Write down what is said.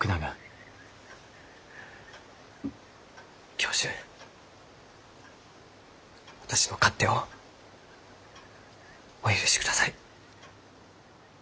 教授私の勝手をお許しください。